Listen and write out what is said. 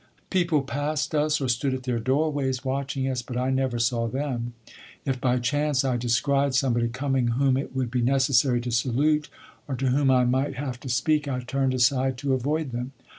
People passed us, or stood at their doorways watching us, but I never saw them. If by chance I descried somebody coming whom it would be necessary to salute, or to whom I might have to speak, I turned aside to avoid them.